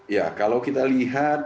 ya kalau kita lihat